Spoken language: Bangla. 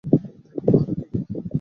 দেখব আর কী?